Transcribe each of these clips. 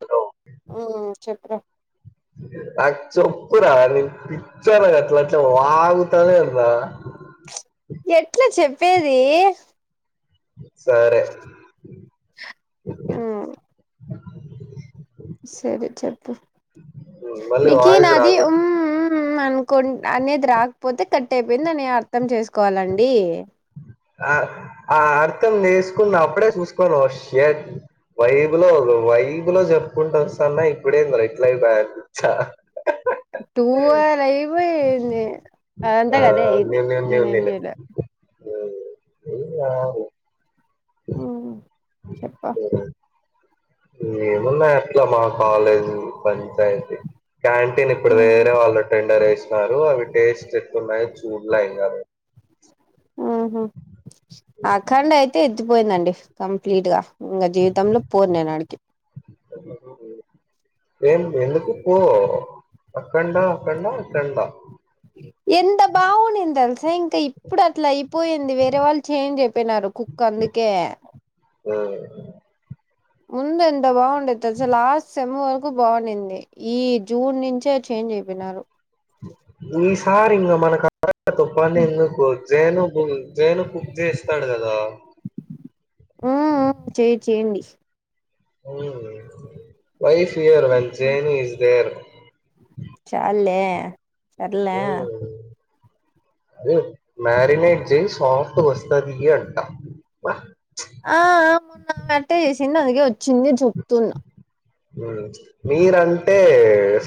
Hello. హ్మ్ చెప్పు. నాకు చెప్పురా నీ పిచ్చోని అట్లా అట్లా వాగుతానే ఉన్నా. ఎట్లా చెప్పేది. సరే. హ్మ్. సరే చెప్పు మళ్ళీ నీకీ వాయిస్ నాది హ్మ్ రాకూడదు హ్మ్. హ్మ్ హ్మ్ అనుకుంటా అనేది రాకపోతే కట్ అయిపోయింది నేను అర్థం చేసుకోవాలండి. ఆ ఆ అర్థం చేసుకున్నప్పుడే చూసుకోవాలి ఓ షేట్. వైబ్ లో ఒక వైబ్ లో చెప్పుకుంటా వస్తున్న ఇప్పుడేందిరా ఇట్లా అయిపాయే చ్చ. టూ లైవ్ అయిపోయింది అది అంత ఆ, అదే అయింది నేను ఏం చేయలే. హ్మ్ ఏం కాదు. చెప్పు. ఉహు. ఏమున్నా అట్లా మా కాలేజు. పంచాయతీ క్యాంటీన్ ఇప్పుడు వేరే వాళ్ళ. రెండర్ వేసినారు అవి టేస్ట్ ఎట్లా ఉన్నాయి చూడ్లే ఇగ. ఉహూ అఖండ అయితే ఎత్తిపోయిందండి కంప్లీట్ గా. ఇంగ జీవితంలో పోను ఆడికి. [unintelligible] ఏం ఎందుకు పో అఖండ అఖండ అఖండ. ఎంత బాగుండింది తెలుసా ఇంకా ఇప్పుడు అట్లా అయిపోయింది వేరే వాళ్ళు చేంజ్ అయిపోయినారు కు. కందుకే. హ్మ్. ముందు ఎంత బాగుండే తెలుసా లాస్ట్ సేమ్ వర. కు బాగుండింది ఈ జూన్ నుంచే చేంజ్ అయిపోయినారు. ఈసారి ఇంగ మనకు త [unintelligible] పని ఎందుకు. జేను కు జేను కుక్ చేస్తాడు కదా. ఉ చెయ్ చేయండి ఉ wife here when change is there చాల్లే సర్లే ఉ అ మ్యారినేట్ చెయ్ సాఫ్ట్గా వస్తాది అంటా ఆ ఆ మొన్న అట్టే చేసింది అందుకే వచ్చింది అని చెప్తున్నా ఉ మీరంటే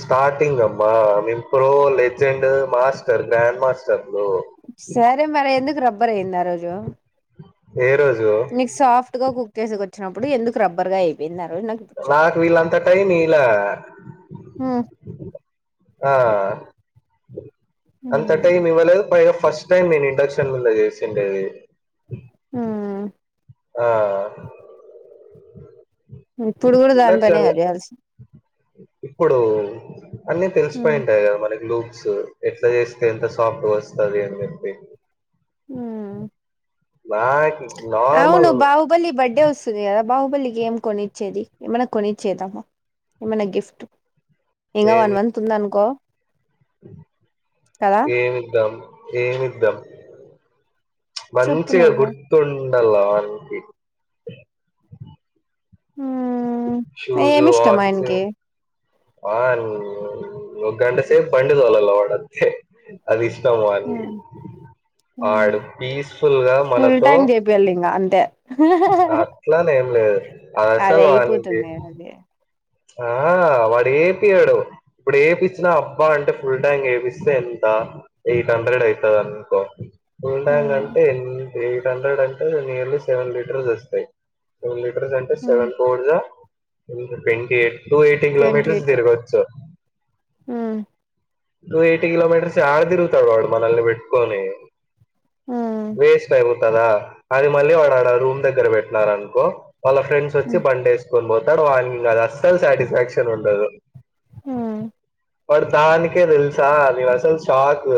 స్టార్టింగ్ అబ్బా మేం ప్రో లెజెండ్ మాస్ గ్రాండ్ మాస్టర్లు సరే మరి ఎందుకు రబ్బర్ అయ్యింది ఆ రోజు ఏ రోజు ఈ సాఫ్ట్ గా కుక్ చేసేకి వచ్చినప్పుడు ఎందుకు రబ్బర్ గా అయిపోయిన్నారు నాకు ఇప్పుడు చెప్పు నాకు వీళ్ళంతా టైమ్ ఈలా మ్మ్ ఆ అంత టైమ్ ఇవ్వలేదు పైగా ఫస్ టైమ్ నేను ఇండక్షన్లో చేసిండేది హ్మ్ ఆ ఇప్పుడు కూడా దానిపైనేగా ఇండక్షన్‌ల చేయాల్సి ఇప్పుడు అన్నీ మ్మ్ తెలిసిపోయింటాయి కదా మనకి లూప్సు ఎట్ల చేస్తే ఎంత సాఫ్ట్గా వస్తది అని చెప్పి ఉ బాయ్ అవును బావు బల్లి బర్త్డే వస్తుంది కదా బాహుబలికి ఏం కొనిచ్చేది ఏమన్నా కొనిచ్చేదామ్మా ఏమన్న గిఫ్ట్ ఇంకా వన్ ఏమి మంత్ ఉంది అనుకో ఏమిద్దాం ఏమిద్దం చెప్పు మంచిగా నువ్వే గుర్తుండల్ల ఊ ఏం ఇష్టం ఆయనకి వాన్ ఒక గంటసేపు బండి తోలల్ల వాడు అంతే అది ఇష్టము వానికి మ్మ్. మ్మ్. ఆడు పీస్ఫుల్ గా ఫుల్ మనతో టైం చేపియాలి ఇంకా అంతే ఆ అట్లా అని ఏం లేదు అది అస్సలు వానికి అయిపోతుంది అది ఆ వాడేపియడు ఇప్పుడు ఏపిచ్చినా అబ్బా అంటే ఫుల్ ట్యాంక్ ఏపిస్తే ఎంత ఎయిట్ హండ్రెడ్ అయితది అనుకో ఫుల్ ట్యాంక్ మ్మ్. అంటే ఎన్ ఎయిట్ హండ్రెడ్ అంటే నియర్లీ సెవెన్ లీటర్స్ వస్తాయి సెవెన్ లీటర్స్ అంటే మ్మ్. సెవెన్ ఫోర్ జా ట్వంటీ ఎయి టూ ఏయిటీ కిలోమీటర్స్ తిరగచ్చు ఉ టు ఎయిటీ కిలోమీటర్స్ ఆడ దిరుగుతాడు వాడు మనల్ని పెట్కొని మ్మ్. వేస్ట్ అయిపోతదా అది మళ్ళీ వాడు ఆడ రూమ్ దగ్గర పెట్టినారనుకో వాళ్ళ ఫ్రెండ్స్ వచ్చి మ్మ్. బండి వేసుకొని పోతాడు వాన్నీ అది అస్సలు సాటిస్ఫాక్షన్ ఉండదు హు పడు దానికే తెలుసా అది అసలు షాక్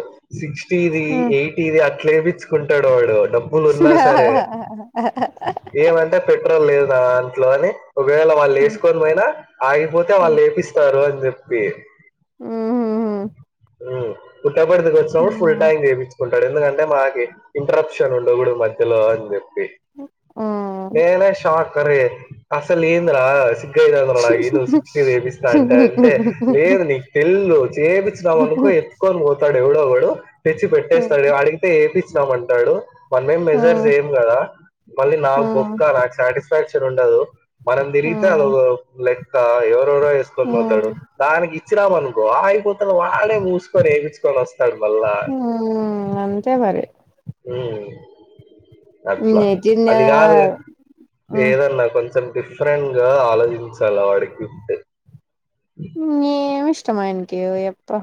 సిక్స్టీది మ్మ్. ఎయిటీది ఇది అట్ల ఎపిచ్చు కుంటాడు వాడు డబ్బు హా హా హా ఏమంటే పెట్రోల్ లేదు దాంట్లో అని ఒకవేళ వాళ్ళు మ్మ్. వేసుకొని పోయినా ఆగిపోతే మ్మ్. వాళ్ళు ప్పిస్తారు అని చెప్పి హు హు పుట్ట బడితేకొచ్చము ఫుల్ మ్మ్. ట్యాంక్ చేయించుకున్నాము ఇక్కడ ఎందుకంటే మాకి ఇంట్రప్షన్ ఉండ గుడి మధ్యలో అని చెప్పి మ్మ్. నేనా షాక్ అరే అసలు ఏంది రా అని నువ్వు సిక్టీ చేపిస్తా అంటే అంటే లేదు నీకు తెల్ చేపిస్త అనుకో ఎత్తుకొని పోతాడు ఎవడోవడు తెచ్చి మ్మ్. పెట్టేస్తాడు అడిగితే ఏపిచినాము అంటాడు మన ఏం మెజర్ మ్మ్. చేయం కదా మళ్ళీ నా బొక్క మ్మ్. నాకు సాటిస్ఫాక్షన్ ఉండదు మనం తిరిగితే మ్మ్. అదోక లెక్క ఎవరెవరో వేసుకొని మ్మ్. పోతారూ దానికి ఇచ్చినామ అనుకో ఆగిపోత వాడే మూసుకొని వేయిచ్చుకొని వస్తాడు మల్ల అంతే మారి ఉ అట్లా నెజిన్ అది కాదు ఏదన్నా కొంచెం డిఫరెంట్ గా ఆలోచించాలి వాడి క్విప్ట్ ఏమి ఇష్టము ఆయనకి నువ్వు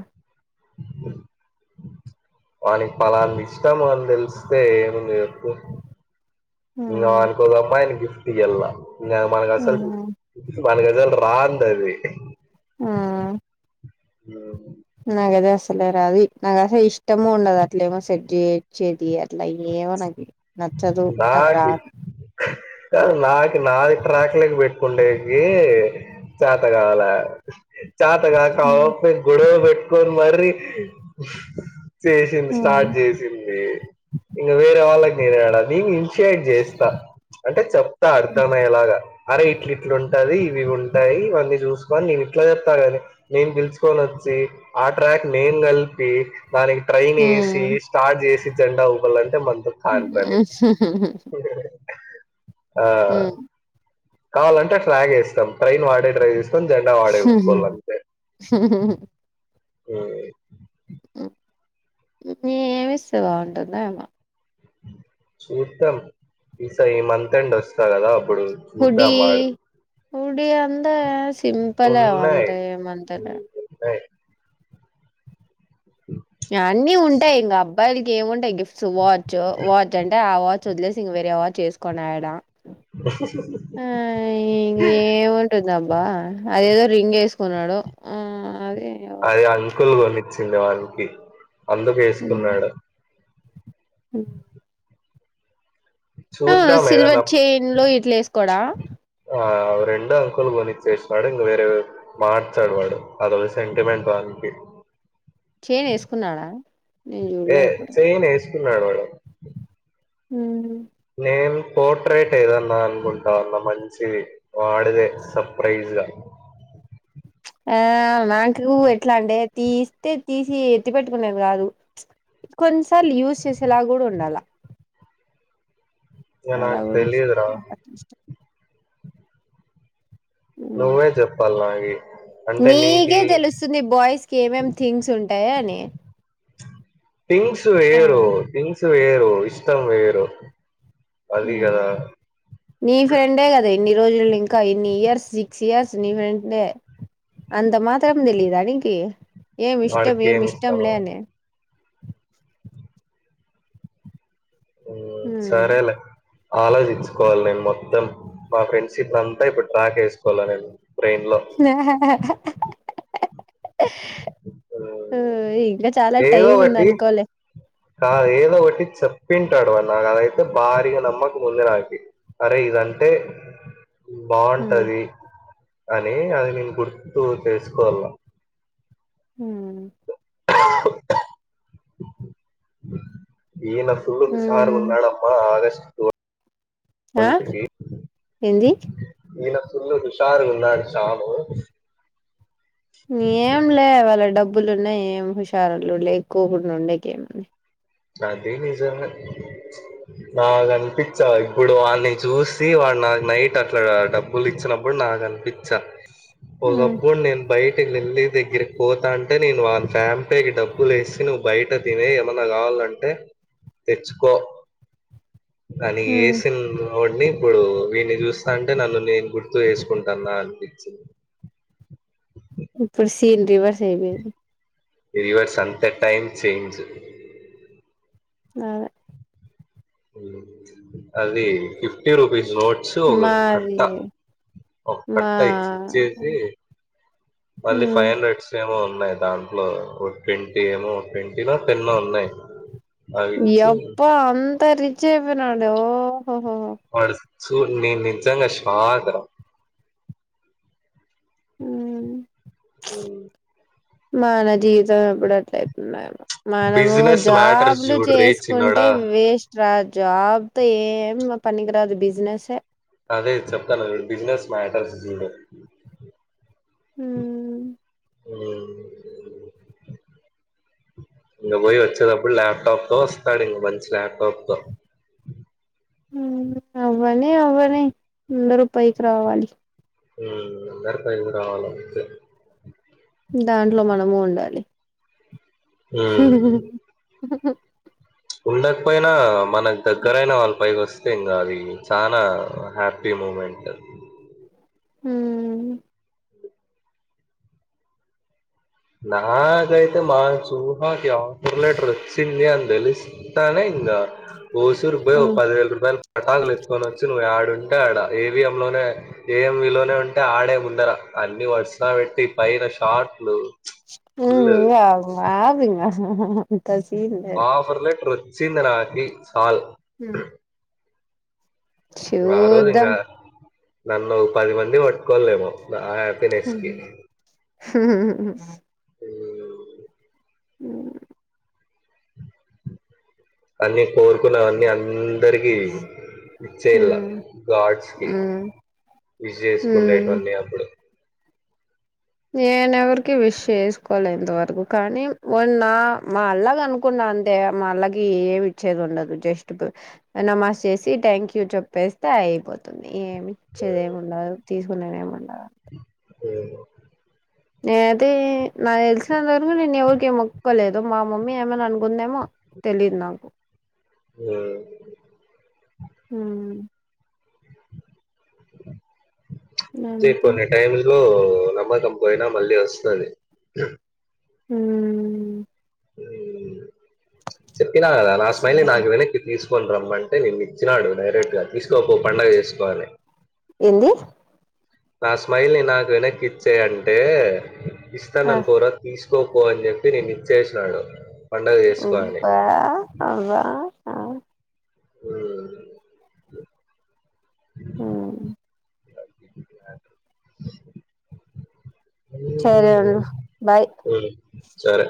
అని పాలల్ ఇష్టాం అని తెలిస్తే ఏమంది చెప్పు ఇంకా అనుకోద అమ్మా ఆయన గిఫ్ట్ ఇ ఎలా మనకసల్ మనకసల్ రాందది ఆ ఉ నాకు అది అసలే రాదు నాకు అసలు ఇష్టము ఉండదు అట్లే ఏమో సెట్ చేచ్చేది అట్లా అయ ఏమో నాకు నచ్చదు నాకు రాదు కాదు నాకు నాది ట్రాక్ లేకి పెట్టుకుంటేకి చాత కావల చాత గా కావపై గొడవ పెట్టుకొని మరీ చేసింది స్టార్ట్ చేసి ది ఇగా వేర వాళ్ళకి నేడా ప్రషియేట్ చేస్తా అంటే చెప్తా అర్థమయ్యేలాగా అరే ఇట్లు ఇట్లు ఉంటది ఇవి ఉంటాయి ఇవన్నీ చూసుకొని నేను ఇట్లా చెప్తా కాని నేను పిలుచుకొని వచ్చి ఆ ట్రాక్ నేను కలిపి దానికి ట్రైన్ ఏసి స్టార్ట్ చేసి జెండా ఊపల అంటే మందు హా హా హా ఆ కావాలంటే ట్రా్ చేస్తాం ట్రైన్ వాడే ట్రై చేసుకొని జెండా వాడే ఊపుకోవాలి అని హు హు ఆ ఏమిస్తే బాగుంటుందొ ఏమో చూద్దాం ఈస ఈ మంత్ అండ్ వస్తాది కదా అప్పుడు చూద్దాం వాడు ఉడి అందా సింపల్ ఉన్నాయి. అంద ఏమంతల ఉమ్, ఉ అన్నీ ఉంటాయి ఇంకా అబ్బాయిలకి ఏమింటాయి గిఫ్ట్స్ వాచ్ వాచ్ అంటే ఆ వా చదిలేసి ఇంగ వేరేవ చేసుకున్నాడా హ్మ్ ఉంటుందబ్బా అదేదో రింగ్ ఏసుకున్నాడు ఆ అదే ఇగా అది అంకులు గొనిచ్చింది వానికి అందుకు ఏసుకున్నాడు. ఉహ్ ఆ చూద్దాం ఏదన్నా సిల్వర్ చైన్ లో ఇట్లా ఏసుకోడా వావ్ రెండు అంకులు గొనిచ్చేసినడు ఇంగా వేరేవే మార్చాడు వాడు అదో సెంటిమెంట్ వానికి చైన్ ఏసుకున్నాడా నీన్ ఏ జుడలే ఏప్పుడు చైన్ ఏసుకున్నాడు వాడు. ఉహ్ నేన్ పోర్ట్రేట్ ఏదన్నా అనుకుంటాన్నా మంచిది. వాడిదే సర్ప్రైజగా ఆ నాకు ఎట్లా అంటే తీస్తే తీసి ఎత్తి పెట్టుకునేది కాదు. కొన్నిసార్లు యూస్ చేసేలాగ్ గూడా ఉండాలా అలా నీనక్ కూడా తెలియద్ ఇష్టం రా నాకు అట్ల ఇష్టం ఉమ్. నువ్వే జేప్పాల్ నాయి నీకే తెలుస్తుంది బాయ్స్ కి ఏమేమి థింగ్స్ ఉంటాయా అని థింగ్స్ ఆ వేరు థింగ్స్ వేరు ఇష్టం వేరు అది ఉమ్ కదా నీ ఫ్రెండే కదా ఇన్ని రోజులు ఇంకా ఇన్ని ఇయర్స్ సిక్స్ ఇయర్స్ నీ ఫ్రెండే అంత మాత్రం దేలీదా నీకి ఏమి ఇష్టం వాడికి ఏమి ఇష్టం ఇష్టమో లే అని ఉహ్ సరేలే ఆలోచించుకోవాలి నీన్ మొత్తం మా ఫ్రెండ్స్ చీప్ నతా ఇప్పుడు ట్రాక్ ఏసుకోవాలి నేను బ్రెయిన్ లో ఆ మ్మ్ ఉహ్ ఇంకా చాలా ఏదో టైం ఉంది ఒకటి అనుకోలే కాదు ఏదో ఒకట్టి చెప్పింటాడు వాడ్ నాకు అదైతే భారీగా నమ్మకం ఉంది నాకి అరే ఇదంటే ఉమ్ బావుటది అని అది నేను గుర్తు చేసుకోవాలా ఉహ్ ఆ ఇనా సుళుత్ షారుగా ఉమ్ ఉన్నాడమ్మా ఆగస్ట్ ఫో ఆ ఏంది. ఇనా పుల్ హుషారు ఉన్నాడు చాము ఏం లే వాళ్ళ డబ్బులు ఉన్నాయి ఏం హుషారులు లేక్కువకుడా ఉండేకే ఏమి నది నిజమే నాగ్ అనిపించా ఇప్పుడు వాడిని చూసి వాడు నా నైట్ అట్లాటబ్ ఉల్లి ఇచ్చినప్పుడు నాగ్ అనిపించా ఉమ్ ఒకప్పుడు నేను బయటకి వెళ్లి దగ్గరకి పోతా అంటే నేను ఆ ఫ్యాంపేకి డబ్బులు వేసి నువ్వు బయట తినే ఏమన్నా గావాలన్ అంటే తెచ్చుకో కానీ ఉమ్ ఏసీల్లో ఓడ్ని ఇప్పుడు వీని జూస్తా ఉంటే నన్ను నేను గుర్తు జేసుకుంటాన్నా అనిపించింది. ఇప్పుడు సీన్ రివర్స్ అయిబెన్ రీవర్స్ అంత టైమ్ చేంజ్ దాదే ఉహ్ అది ఫిఫ్టీ రుపీస్ నోట్ సో ఓగ్ మాది కట్ట ఒక కట్ట ఒక మా కట్ట ఇచ్చి ఇచ్చేసి. మళ్ళీ ఫైవ్ హండ్రెస్ దేమో ఉన్నాయ్ దాంట్లో ఒక ట్వంటీ ఏమో ట్వంటీనో టెన్ ఓ ఉన్నాయ్. ఎప్ప అంత రిచ్ అయిపోయినాడు ఓహోహోహో వాడు చూ నేను నిజంగా షాక్రా మ్ మ్ మా నా జీవితం ఎప్పుడు అట్లయితుందో ఏమో మనము బిజినెస్ మ్యాటర్స్ జాబ్లు చూడు రే చేసుకుంటే చిన్నోడా వేస్ట్ రా జాబ్తో ఏం పనికిరాదు బిజినెస్సే అదే చెప్తాన్నాను బిజినెస్ మ్యాటర్స్ జీరో అ ఇంగ పోయి వచ్చదప్పుడు ల్యాప్టాప్తో వస్తాడు ఇంగ మంచి లాప్టాప్తో మ్ అవ్వని అవ్వని అందరూ పైకి రావాలి మ్ అందరూ పైకి రావాలా అంతే దాంట్లో మనము ఉండాలి ఉమ్. [unintelligible] ఉండకపోయినా మనకు దగ్గరయినా వాళ్ళ పైకి వస్ ఇంగా అది చాలా హ్యాపీ మూమెంట్ హ్మ్ నాకైతే మా చూహాకి ఆఫర్ లెటర్ వచ్చింది అని తెలిస్తే తానె ఇంగ ఊసురుబ్బయ్ ఒ పదివేల రూపాయల్ పటాకులు ఎతుకొనొచ్చి నువ్వు యాడుంటే ఆడా ఏవిఎం లోనే ఏ ఎం వీ లోనే ఉంటే ఆడే ముందర అన్ని వర్సగ వెట్టి పైన షార్ట్లు ఉ ఫుల్ ఇంగ ఆగింగా హ్హ్హ్హ్ అంత సీన్ లె ఆఫర్ లెట్ర్ ఒచ్చింది నాకి సాల్ హ్మ్ రా రోజ్ చూద్దాం ఇంగా నన్ను పది మంది పట్టుకోల్లేమో దాయెబ్ హుహు హ్హ్హ్హ్ [unintelligible] [unintelligible] మ్ అన్నీ కోరుకున్నావన్నీ అన్ దరికి ఇచ్చ ఇల్లా మ్మ్ గాడ్స్కి మ్మ్ ఇజేష్కుండేటువన్ని అప్పుడు నేనెవరికి విష్ చేసుకోలే ఇంతవరకు కానీ వాన్ నా మాల్లాగను కున్నా అంతే మళ్ళగీ ఏమిచ్చేదుండదు జస్ట్ తొ అ నమాజ్ చేసి థ్యాంక్ యూ చెప్పేస్తే అయిపోత్ తుంది ఏమి ఇచ్చేదేముండదు తీసుకునేదేముండదు ఏమో నేనాతే నాక్ తెలిసినంతవొరకు నిన్ ఎవరికీ మొక్ ఒక్కలేదు మా మమ్మీ ఏమన్నా అనుకుందేమో తెలిద్ నాకు యు మ్ అంతే చెప్పున్నే టైమ్ లో నమ్మకం పోయినా మళ్ళీ ఒస్తాది హుమ్ చెప్పినాగద నా స్మైల్ ని నాకు వెనె తి తీసుకని రమ్మంటే నిన్నిచ్చినాడు డైరెక్ట్గా తీసుకోపో పండగ జేస్కో అని ఏంది నా స్మైల్ ని నాకు వెనక్కి ఇచ్చేయి అంటే ఆ ఇస్తానన్ పోరా తీసుకోపో అని జెప్పి నిన్న ఇచ్చేసి నాడు పండగ జేస్కో అని అవ్వా ఉమ్ ఉమ్ అయే సరే అన్నా బాయ్ ఉమ్ సరే